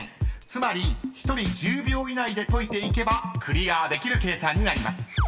［つまり１人１０秒以内で解いていけばクリアできる計算になります］